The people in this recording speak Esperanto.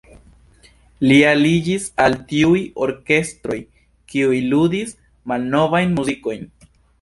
Li aliĝis al tiuj orkestroj, kiuj ludis malnovajn muzikojn.